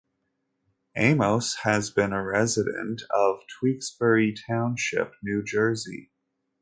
Amos has been a resident of Tewksbury Township, New Jersey.